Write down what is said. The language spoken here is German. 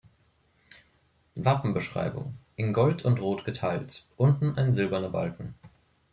Wappenbeschreibung: In Gold und Rot geteilt; unten ein silberner Balken.